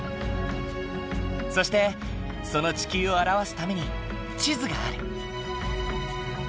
そしてその地球を表すために地図がある。